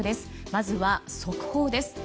まずは、速報です。